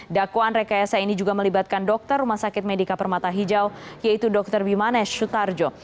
dakwaan rekayasa ini juga melibatkan dokter rumah sakit medika permata hijau yaitu dr bimanesh sutarjo